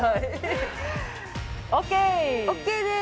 ＯＫです。